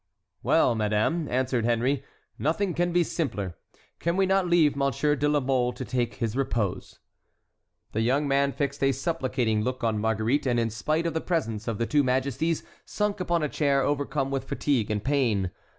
"Well, madame," answered Henry, "nothing can be simpler. Can we not leave Monsieur de la Mole to take his repose." The young man fixed a supplicating look on Marguerite, and, in spite of the presence of the two majesties, sunk upon a chair, overcome with fatigue and pain.